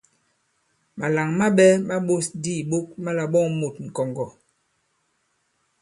Màlàŋ maɓɛ̄ ma ɓōs di ìɓok ma là-ɓɔ᷇ŋ mût ŋ̀kɔ̀ŋgɔ̀.